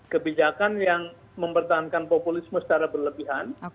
kebijakan yang mempertahankan populisme secara berlebihan